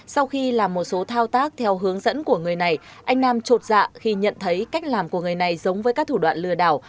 sau khi làm một số thao tác theo hướng dẫn của người này anh nam trột dạ khi nhận thấy cách làm của người này giống với các thủ đoạn lừa đảo